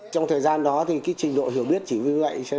trong thời gian đó thì cái trình độ hiểu biết chỉ như vậy